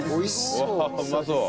うわあうまそう。